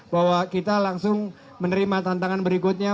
bahwa kita langsung menerima tantangan berikutnya